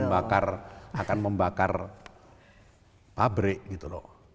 bukan dia akan membakar pabrik gitu loh